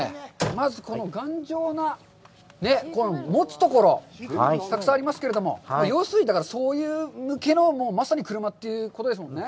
まず、この頑丈な、この持つところ、たくさんありますけれども、要するに、そういう向けの、まさに車ということですもんね。